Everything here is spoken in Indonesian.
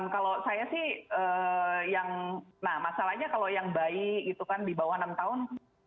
kalau saya sih yang nah masalahnya kalau yang bayi gitu kan di bawah enam tahun